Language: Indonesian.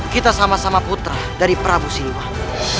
kita sama sama putra dari prabu siwan